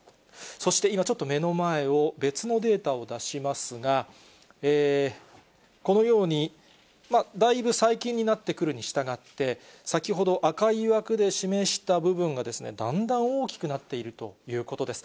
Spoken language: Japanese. そして、今、ちょっと目の前を別のデータを出しますが、このように、だいぶ最近になってくるにしたがって、先ほど、赤い枠で示した部分がですね、だんだん大きくなっているということです。